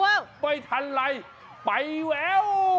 นี่ไปทะลายไปแวว